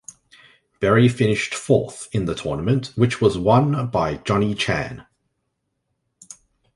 Berry finished fourth in the tournament, which was won by Johnny Chan.